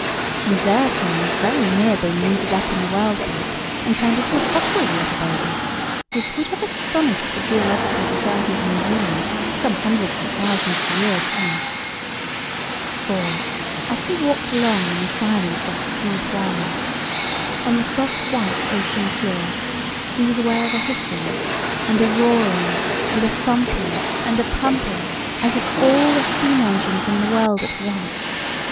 And there Tom was very near being kneaded up in the world pap, and turned into a fossil water baby; which would have astonished the Geological Society of New Zealand some hundreds of thousands of years hence. For, as he walked along in the silence of the sea twilight, on the soft white ocean floor, he was aware of a hissing, and a roaring, and a thumping, and a pumping, as of all the steam engines in the world at once.